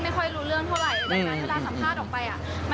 ไม่ค่อยรู้เรื่องเท่าไหร่